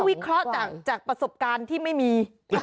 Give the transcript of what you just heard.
วิเคราะห์จากประสบการณ์ที่ไม่มี